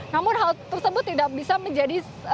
namun hal tersebut tidak bisa menjadi